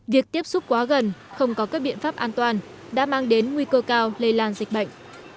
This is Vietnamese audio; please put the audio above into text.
việc tiếp xúc quá gần không có các biện pháp an toàn đã mang đến nguy cơ cao lây lan dịch bệnh